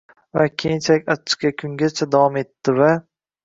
va keyinchalik “achchiq yakungacha” davom etdi va